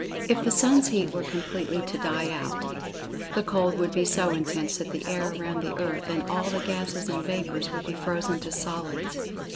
If the sun's heat were completely to die out,[Pg 65] the cold would be so intense that the air around the earth, and all the gases and vapors, would be frozen to solids.